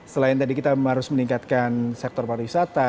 selain tadi kita harus meningkatkan sektor pariwisata